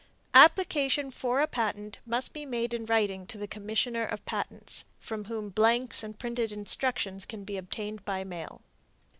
Application for a patent must be made in writing to the Commissioner of Patents, from whom blanks and printed instructions can be obtained by mail.